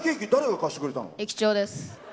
駅長です。